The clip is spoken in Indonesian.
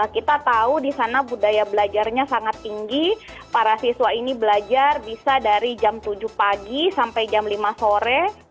kita tahu di sana budaya belajarnya sangat tinggi para siswa ini belajar bisa dari jam tujuh pagi sampai jam lima sore